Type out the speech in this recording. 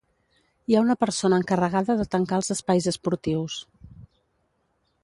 Hi ha una persona encarregada de tancar els espais esportius.